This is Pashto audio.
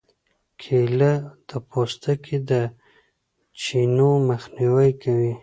کېله د پوستکي د چینو مخنیوی کوي.